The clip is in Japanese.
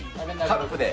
カップで。